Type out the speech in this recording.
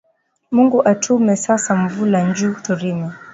Mungu atume sasa mvula nju turime